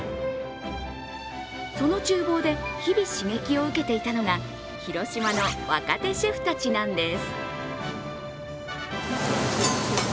そのちゅう房で日々、刺激を受けていたのが広島の若手シェフたちなんです。